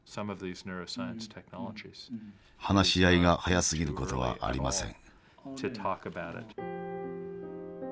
話し合いが早すぎることはありません。